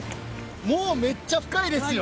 もうめっちゃ深いですよ。